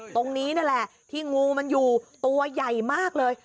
ตรงนี้นี่แหละที่งูมันอยู่ตัวใหญ่มากเลย